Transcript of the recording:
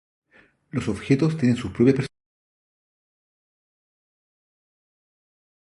Los objetos tienen sus propias personalidades y poseen la habilidad de levitar.